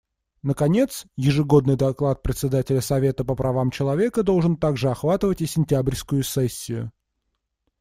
Наконец, ежегодный доклад Председателя Совета по правам человека должен также охватывать и сентябрьскую сессию.